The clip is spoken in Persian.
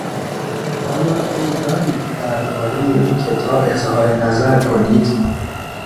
آیا میل دارید دربارهی این کتاب اظهار نظر کنید؟